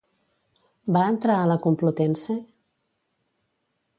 Va entrar a la Complutense?